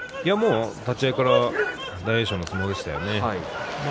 立ち合いから大栄翔の相撲でしたね。